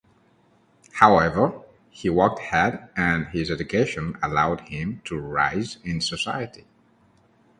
However, he worked hard and his education allowed him to rise in society.